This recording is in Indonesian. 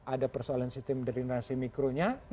ada persoalan sistem derinerasi mikronya